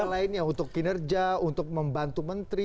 yang ada tujuan untuk kinerja untuk membantu menteri